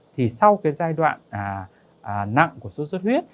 thì sau giai đoạn nặng của sốc do xuất huyết